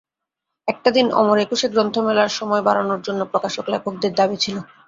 একটা দিন অমর একুশে গ্রন্থমেলার সময় বাড়ানোর জন্য প্রকাশক, লেখকদের দাবি ছিল।